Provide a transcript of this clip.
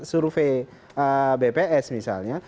survei bps misalnya